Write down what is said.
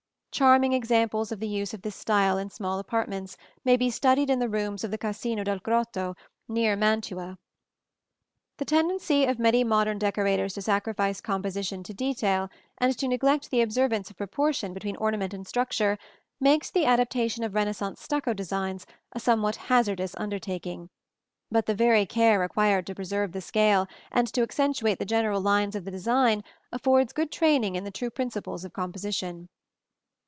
Charming examples of the use of this style in small apartments may be studied in the rooms of the Casino del Grotto, near Mantua. The tendency of many modern decorators to sacrifice composition to detail, and to neglect the observance of proportion between ornament and structure, makes the adaptation of Renaissance stucco designs a somewhat hazardous undertaking; but the very care required to preserve the scale and to accentuate the general lines of the design affords good training in the true principles of composition.